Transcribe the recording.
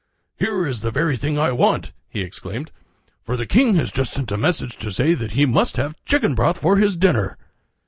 "Here is the very thing I want," he exclaimed, "for the king has just sent a message to say that he must have chicken broth for his dinner."